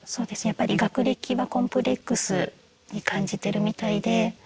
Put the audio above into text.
やっぱり学歴はコンプレックスに感じてるみたいで。